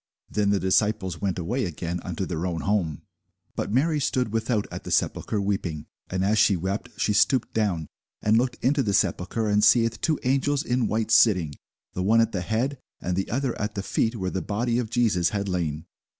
Then the disciples went away again unto their own home. [Sidenote: St. John 20] But Mary stood without at the sepulchre weeping: and as she wept, she stooped down, and looked into the sepulchre, and seeth two angels in white sitting, the one at the head, and the other at the feet, where the body of Jesus had lain.